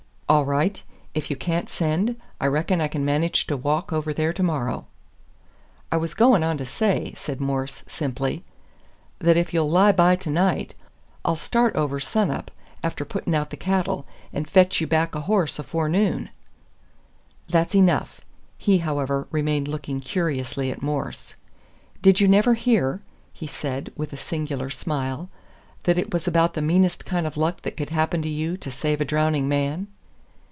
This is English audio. "All right; if you can't send, I reckon I can manage to walk over there tomorrow." "I was goin' on to say," said Morse, simply, "that if you'll lie by tonight, I'll start over sunup, after puttin' out the cattle, and fetch you back a horse afore noon." "That's enough." He, however, remained looking curiously at Morse. "Did you never hear," he said, with a singular smile, "that it was about the meanest kind of luck that could happen to you to save a drowning man?"